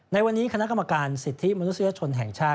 ในวันนี้คณะกรรมการสิทธิมนุษยชนแห่งชาติ